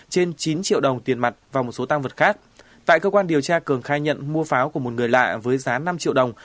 trên chín triệu đồng tiền mặt và một số tăng vật khác tại cơ quan điều tra cường khai nhận mua pháo của một người lạ với giá năm triệu đồng